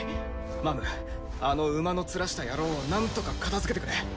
マァムあの馬の面した野郎をなんとか片づけてくれ。